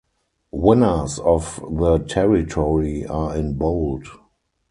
Winners of the territory are in bold.